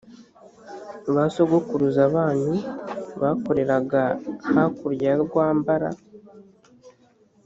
ba sogokuruza banyu bakoreraga hakurya ya rwa mbara